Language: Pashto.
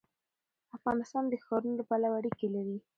افغانستان د ښارونو له پلوه اړیکې لري.